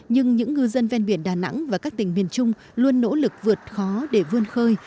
nhưng những ngư dân ven biển đà nẵng và các tỉnh miền trung luôn nỗ lực vượt khó để vươn khơi